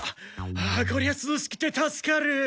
ああこりゃすずしくて助かる。